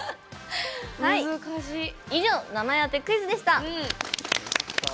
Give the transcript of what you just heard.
以上名前当てクイズでした。